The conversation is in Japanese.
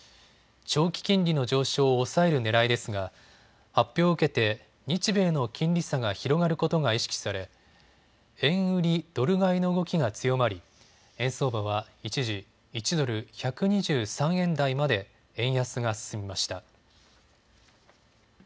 長期金利の上昇を抑えるねらいですが発表を受けて日米の金利差が広がることが意識され円売りドル買いの動きが強まり円相場は一時、１ドル１２３円台まで円安が進みました。